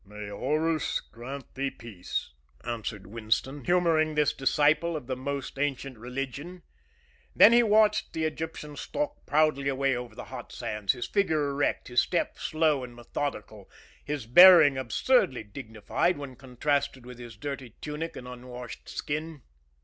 "May Horus grant thee peace," answered Winston, humoring this disciple of the most ancient religion. Then he watched the Egyptian stalk proudly away over the hot sands, his figure erect, his step slow and methodical, his bearing absurdly dignified when contrasted with his dirty tunic and unwashed skin.